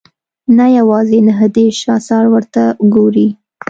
نه یوازې نهه دېرش اثار ورته ګوري.